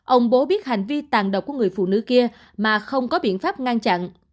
ông bố biết hành vi tàn độc của người phụ nữ kia mà không có biện pháp ngăn chặn